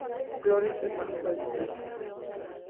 Flores hermafroditas.